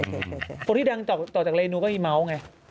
คนที่ดังต่อจากเรนูก็มีเมาส์ไง